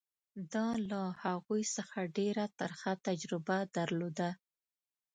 ده له هغوی څخه ډېره ترخه تجربه درلوده.